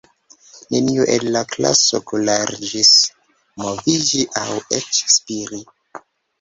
Neniu en la klaso kuraĝis moviĝi aŭ eĉ spiri.